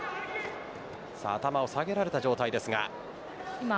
頭を下げられた状態ですが。